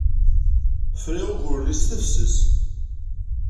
Friɣ ugur-nni s tefses.